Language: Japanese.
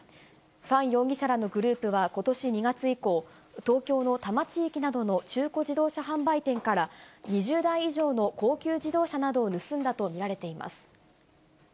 ファン容疑者らのグループはことし２月以降、東京の多摩地域などの中古自動車販売店から、２０台以上の高級自動車などを盗んだと見られています。